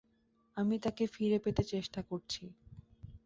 আমি তাকে ফিরে পেতে চেষ্টা করছি!